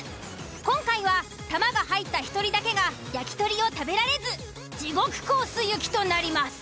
今回は球が入った１人だけが焼き鳥を食べられず地獄コース行きとなります。